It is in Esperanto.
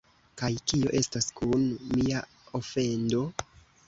Kaj kio estos kun mia ofendo?